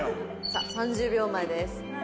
さあ３０秒前です。